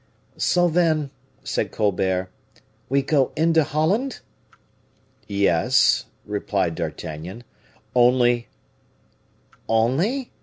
"So, then," said Colbert, "we go into Holland?" "Yes," replied D'Artagnan; "only " "Only?"